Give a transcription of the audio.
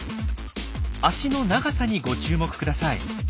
足の長さにご注目ください。